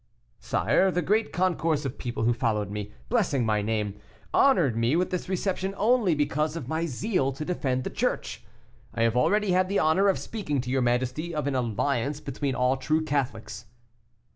"Sire, the great concourse of people who followed me, blessing my name, honored me with this reception only because of my zeal to defend the Church. I have already had the honor of speaking to your majesty of an alliance between all true Catholics."